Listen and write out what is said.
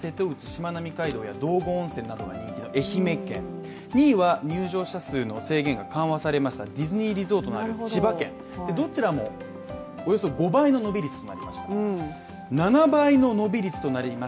しまなみ海道や道後温泉などが人気で、愛媛県２位は入場者数の制限が緩和されましたディズニーリゾートのある千葉県でどちらもおよそ５倍の伸び率となりました